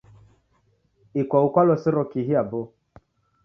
Ikwau kwalosero kihi aboo?